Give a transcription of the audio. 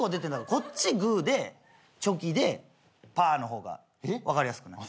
こっちグーでチョキでパーの方が分かりやすくない？